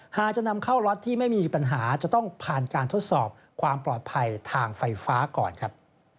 หากจะนำเข้าล็อตที่ไม่มีปัญหาจะต้องผ่านการทดสอบความปลอดภัยทางไฟฟ้าก่อนครับ